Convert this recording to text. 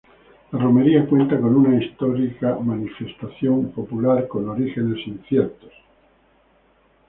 La romería cuenta con una histórica manifestación popular con orígenes inciertos.